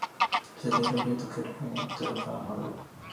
ازادي راډیو د کرهنه ته پام اړولی.